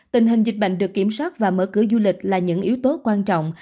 tình hình dịch bệnh được kiểm soát và mở cửa du lịch là những yếu tố quan trọng